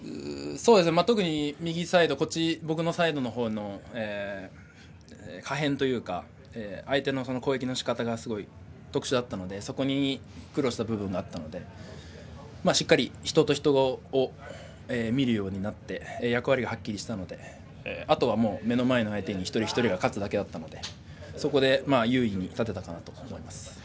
特に右サイド僕のサイドの方の可変というか相手の攻撃のしかたがすごい特殊だったのでそこに苦労した部分があったのでしっかり人と人を見るようになり役割がはっきりしたのであとは目の前の相手に一人一人が勝つだけだったのでそこで優位に立てたと思います。